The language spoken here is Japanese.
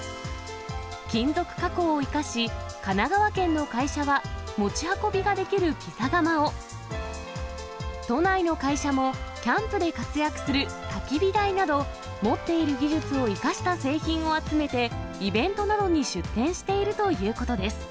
金属加工を生かし、神奈川県の会社は持ち運びができるピザ窯を、都内の会社もキャンプで活躍するたき火台など、持っている技術を生かした製品を集めて、イベントなどに出展しているということです。